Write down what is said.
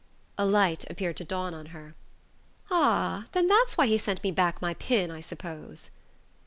A light appeared to dawn on her. "Ah then that's why he sent me back my pin, I suppose?"